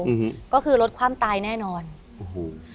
อือฮือก็คือลดความตายแน่นอนอือฮู